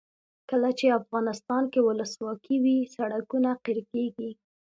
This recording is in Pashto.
کله چې افغانستان کې ولسواکي وي سړکونه قیر کیږي.